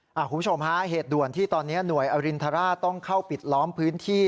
คุณผู้ชมฮะเหตุด่วนที่ตอนนี้หน่วยอรินทราชต้องเข้าปิดล้อมพื้นที่